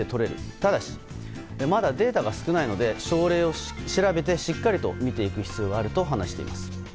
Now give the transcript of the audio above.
ただし、まだデータが少ないので症例を調べてしっかりと見ていく必要があると話しています。